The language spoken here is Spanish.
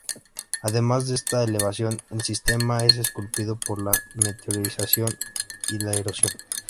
Además de esta elevación, el sistema es esculpido por la meteorización y la erosión.